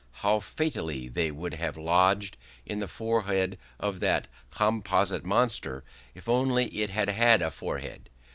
How fatally they would have lodged in the forehead of that composite monster, if only it had had a forehead!